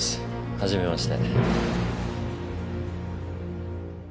はじめまして。